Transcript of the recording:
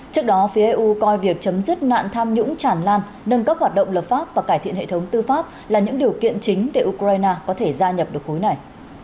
trước đó phía eu coi việc chấm dứt nạn tham nhũng chản lan nâng cấp hoạt động lập pháp và cải thiện hệ thống tư pháp là những điều kiện chính để ukraine có thể gia nhập được khối này